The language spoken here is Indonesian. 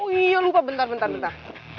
oh iya lupa bentar bentar bentar